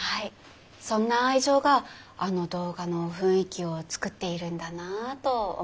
そんな愛情があの動画の雰囲気を作っているんだなと思いまして。